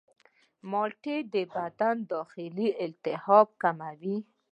مالټې د بدن داخلي التهابات کموي.